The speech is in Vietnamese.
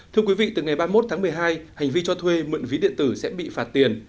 thưa quý vị từ ngày ba mươi một tháng một mươi hai hành vi cho thuê mượn ví điện tử sẽ bị phạt tiền